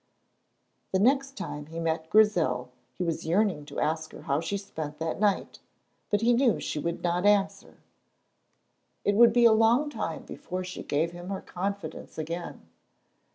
The next time he met Grizel he was yearning to ask her how she spent that night, but he knew she would not answer; it would be a long time before she gave him her confidence again.